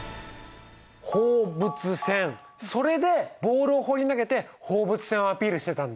それでボールを放り投げて放物線をアピールしてたんだ。